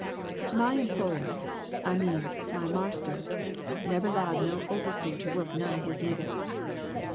"My employer I means, my marster, never 'lowed no overseer to whup none of his niggers!